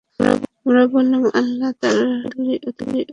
আমরা বললাম, আল্লাহ এবং তাঁর রাসূলই অধিকতর জ্ঞাত।